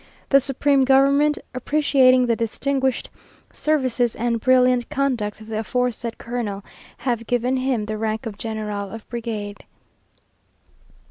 The supreme government, appreciating the distinguished services and brilliant conduct of the aforesaid colonel, have given him the rank of general of brigade."